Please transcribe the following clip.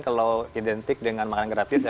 kalau identik dengan makanan gratis ya